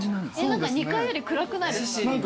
何か２階より暗くないですか？